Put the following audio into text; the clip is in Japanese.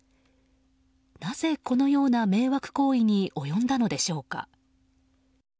なぜ、このような迷惑行為に及んだのでしょうか。